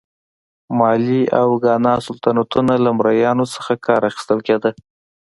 مالي او ګانا سلطنتونه له مریانو څخه کار اخیستل کېده.